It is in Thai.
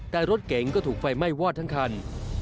แต่รถเก๋งก็ถูกไฟไหม้วอดทั้งคัน